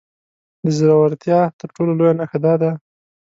د زورورتيا تر ټولو لويه نښه دا ده.